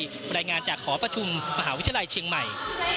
รายงานจากหอประชุมมหาวิทยาลัยเชียงใหม่